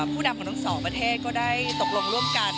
ผู้นำของทั้งสองประเทศก็ได้ตกลงร่วมกัน